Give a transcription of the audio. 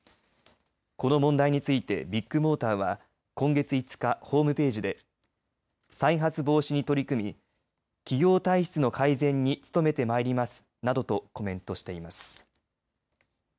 この問題についてビッグモーターは今月５日、ホームページで再発防止に取り組み企業体質の改善に努めてまいります。などとコメントしています。